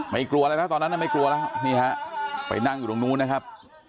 กลัวอะไรแล้วตอนนั้นไม่กลัวแล้วนี่ฮะไปนั่งอยู่ตรงนู้นนะครับ